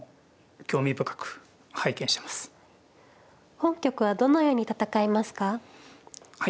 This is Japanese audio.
本局はどのように戦いますか。